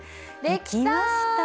できました。